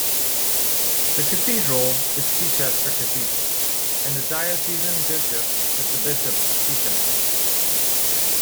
The cathedral is Chichester Cathedral and the diocesan bishop is the Bishop of Chichester.